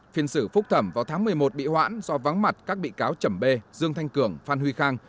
phiên xử phúc thẩm vào tháng một mươi một bị hoãn do vắng mặt các bị cáo chầm bê dương thanh cường phan huy khang